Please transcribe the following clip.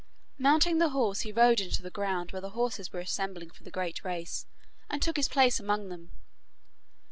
Mounting the horse he rode into the ground where the horses were assembling for the great race, and took his place among them.